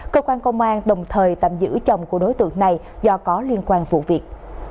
cơ quan công an đồng thời tạm giữ chồng của đối tượng này do có liên quan vụ việc